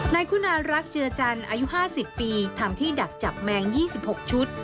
นายคุณารักเจือจันทร์อายุ๕๐ปีทำที่ดักจับแมง๒๖ชุด